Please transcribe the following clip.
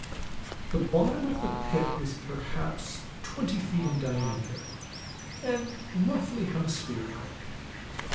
The bottom of the pit was perhaps twenty feet in diameter, and roughly hemispherical.